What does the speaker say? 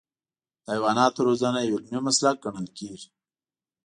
د حیواناتو روزنه یو علمي مسلک ګڼل کېږي.